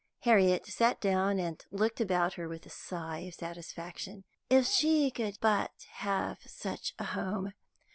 Harriet sat down and looked about her with a sigh of satisfaction. If she could but have such a home!